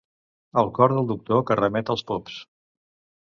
El cor del doctor que remet als pops.